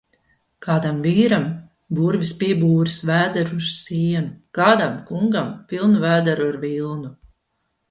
Kādam vīram burvis piebūris vēderu ar sienu, kādam kungam pilnu vēderu ar vilnu.